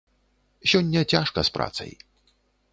Сёння цяжка з працай.